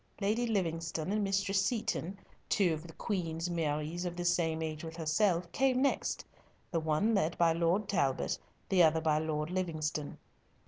Lady Livingstone and Mistress Seaton, two of the Queen's Maries of the same age with herself, came next, the one led by Lord Talbot, the other by Lord Livingstone.